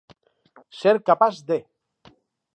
Ser capaç de.